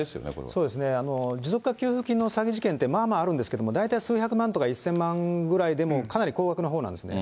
そうですね、持続化給付金の詐欺事件って、まあまああるんですけども、大体数百万とか、１０００万ぐらいでもかなり高額なほうなんですね。